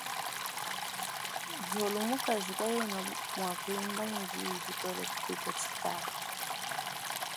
Nzolo mukaji kayena mua kuimba ne diyi kikole kupita tshitala.